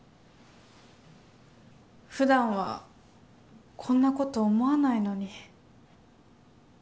ふだんはこんなこと思わないのに。